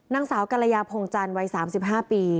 นางสาวกรยาพงจันทร์วัย๓๕ปี